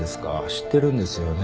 知ってるんですよね。